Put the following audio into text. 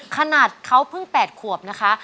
ขนาดเขาเพิ่ง๘ขวบนะคะ